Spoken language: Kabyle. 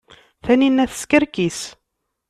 Taninna teskerkis.